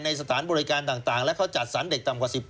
สถานบริการต่างและเขาจัดสรรเด็กต่ำกว่า๑๘